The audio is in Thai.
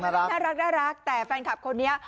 น่ารักแต่แฟนคลับคนนี้